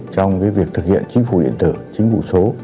trong việc thực hiện chính phủ điện tử chính phủ số